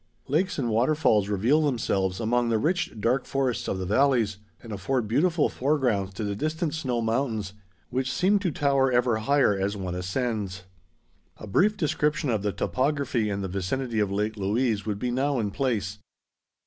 Lakes and waterfalls reveal themselves among the rich dark forests of the valleys, and afford beautiful foregrounds to the distant snow mountains which seem to tower ever higher as one ascends. A brief description of the topography in the vicinity of Lake Louise would be now in place.